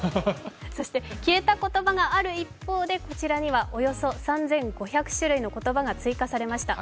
消えた言葉がある一方でこちらにはおよそ３５００種類の言葉が追加されました。